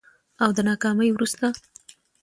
او د ناکامي وروسته